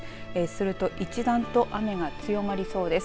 すると一段と雨が強まりそうです。